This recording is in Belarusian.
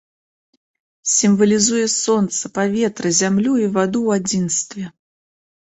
Сімвалізуе сонца, паветра, зямлю і ваду ў адзінстве.